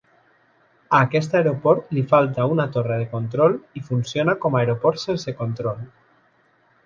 A aquest aeroport li falta una torre de control i funciona com a aeroport sense control.